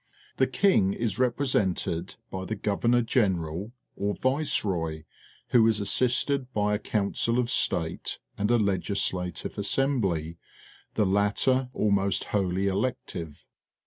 The lUng is represented by the Governor General, oFViceroy, who is assisted by a Council of State and a Legislative Assembly, the latter almost wholly elective.